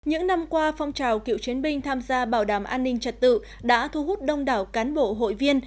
những năm qua phong trào cựu chiến binh tham gia bảo đảm an ninh trật tự đã thu hút đông đảo cán bộ hội viên